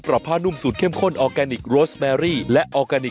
กลับมาเคลียร์กับจ๊ะก่อน